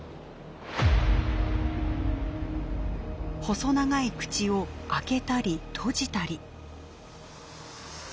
細長い口を開けたり閉じたり。